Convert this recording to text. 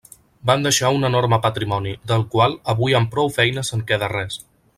Van deixar un enorme patrimoni, del qual, avui amb prou feines en queda res.